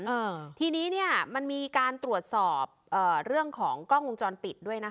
เออทีนี้เนี้ยมันมีการตรวจสอบเอ่อเรื่องของกล้องวงจรปิดด้วยนะคะ